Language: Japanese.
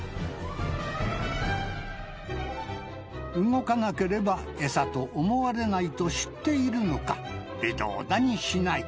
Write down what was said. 動かなければエサと思われないと知っているのか微動だにしない